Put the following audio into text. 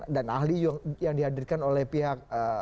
dan ahli yang dihadirkan oleh pihak